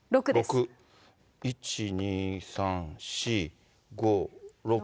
６、１、２、３、４、５、６。